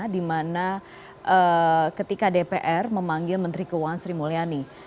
di mana ketika dpr memanggil menteri keuangan sri mulyani